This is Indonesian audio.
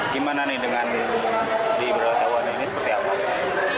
gimana nih dengan di berat awal ini seperti apa